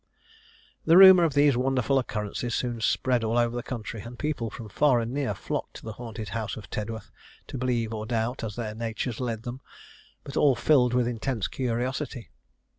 The rumour of these wonderful occurrences soon spread all over the country, and people from far and near flocked to the haunted house of Tedworth, to believe or doubt, as their natures led them, but all filled with intense curiosity.